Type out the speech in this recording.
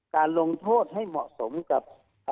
การลงโทษให้เหมาะสมกับ